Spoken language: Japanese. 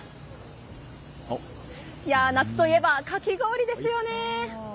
夏といえばかき氷ですよね！